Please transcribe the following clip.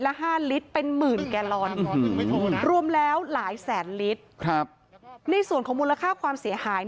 ละ๕ลิตรเป็นหมื่นแกลลอนรวมแล้วหลายแสนลิตรครับในส่วนของมูลค่าความเสียหาย